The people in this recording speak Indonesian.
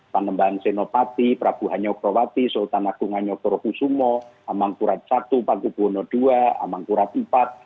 pembang senopati prabu hanyokrawati sultan agung hanyokror husumo amangkurat i panggubono ii amangkurat iv